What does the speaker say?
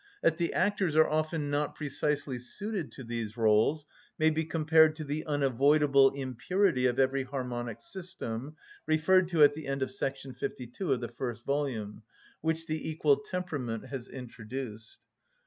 That the actors are often not precisely suited to these rôles may be compared to the unavoidable impurity of every harmonic system (referred to at the end of § 52 of the first volume) which the equal temperament has introduced.